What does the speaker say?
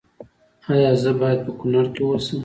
ایا زه باید په کنړ کې اوسم؟